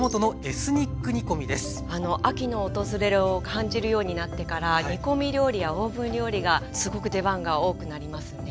秋の訪れを感じるようになってから煮込み料理やオーブン料理がすごく出番が多くなりますよね。